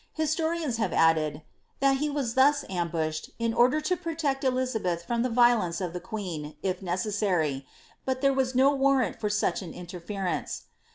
Ui!>torians have added, ^^ that he was thus ambushed, in order to protect Elizabeth from the violence of the queen, if necessary, but there was no warrant for such an inference.